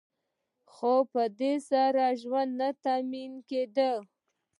خو په دې سره ژوند نه تأمین کیده.